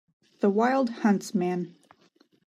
The wild huntsman.